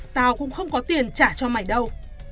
tao cũng không có tiền trả cho mày đâu